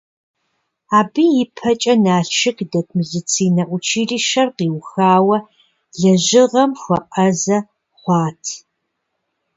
Абы ипэкӀэ Налшык дэт медицинэ училищэр къиухауэ лэжьыгъэм хуэӀэзэ хъуат.